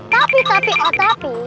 tapi tapi oh tapi